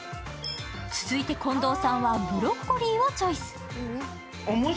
続いて近藤さんはブロッコリーをチョイス。